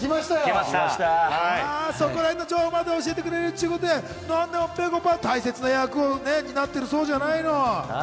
そこらへんの情報を教えてくれるっていうことで、ぺこぱ、大切な役割を担ってそうじゃないの？